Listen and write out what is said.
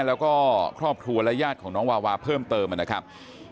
แล้วก็ครอบครัวและญาติของน้องวาวาเพิ่มเติมนะครับ